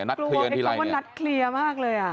บังไงหลับคือแล้วจะเป็นอะไร